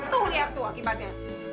tuh lihat tuh akibatnya